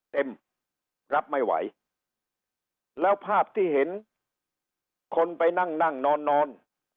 รับไม่ไหวแล้วภาพที่เห็นคนไปนั่งนั่งนอนนอน